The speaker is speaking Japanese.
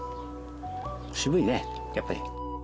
渋いねやっぱり。